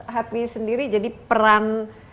happy sendiri jadi peran